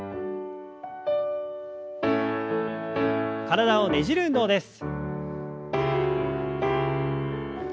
体をねじる運動です。